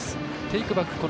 テイクバックが。